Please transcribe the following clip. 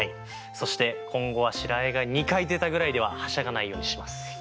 そして今後は白あえが２回出たぐらいでははしゃがないようにします。